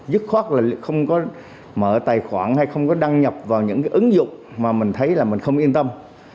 dứt khoát là không có mở tài khoản hay không có đăng nhập vào những cái ứng dụng mà mình thấy là mình không yên tâm